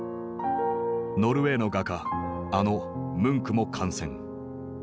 ノルウェーの画家あのムンクも感染。